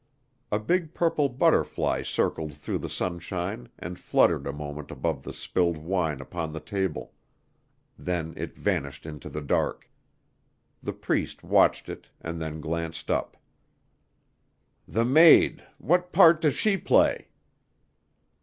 A big purple butterfly circled through the sunshine and fluttered a moment above the spilled wine upon the table; then it vanished into the dark. The Priest watched it and then glanced up. "The maid what part does she play?"